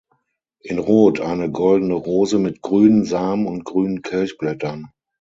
In Rot eine goldene Rose mit grünen Samen und grünen Kelchblättern.